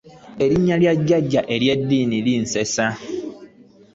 Erinnya lya jjajja ery'eddiini linsesa.